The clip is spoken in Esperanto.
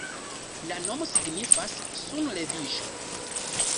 La nomo signifas "sunleviĝo".